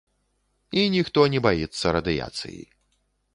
І ніхто не баіцца радыяцыі.